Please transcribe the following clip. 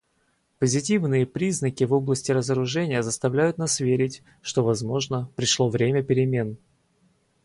Позитивные признаки в области разоружения заставляют нас верить, что, возможно, пришло время перемен.